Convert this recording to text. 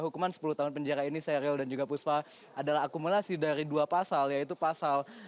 hukuman sepuluh tahun penjara ini serial dan juga puspa adalah akumulasi dari dua pasal yaitu pasal